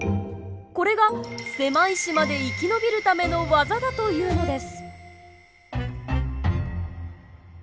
これが狭い島で生き延びるための技だというのです。